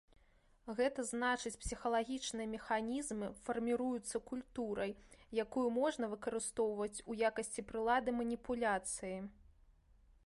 Гэта значыць псіхалагічныя механізмы фарміруюцца культурай, якую можна выкарыстоўваць у якасці прылады маніпуляцыі.